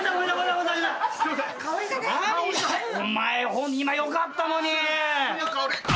お前今よかったのに。